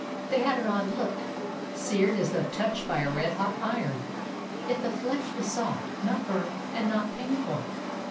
They had an odd look, seared as though touched by a red hot iron, yet the flesh was soft, not burned and not painful.